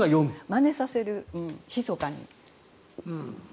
まねさせるひそかに。